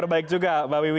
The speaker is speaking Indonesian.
baik juga mbak wiwi